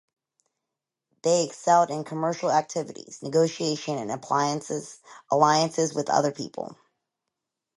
They excelled in commercial activities, negotiation and alliances with other people.